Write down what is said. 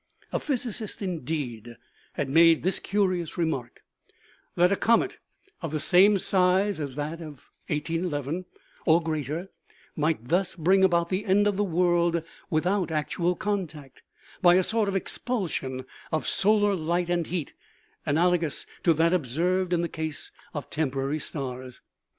A physicist, indeed, had made this curious remark, that a comet of the same size as that of 1811, or greater, might thus bring about the end of the world without actual contact, by a sort of expulsion of solar light and heat, analogous to that observed in the case of temporary stars.